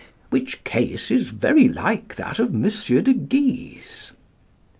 Which case is very like that of Monsieur de Guise.